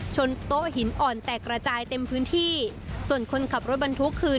โต๊ะหินอ่อนแตกระจายเต็มพื้นที่ส่วนคนขับรถบรรทุกคือ